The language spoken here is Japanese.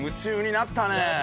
なったね！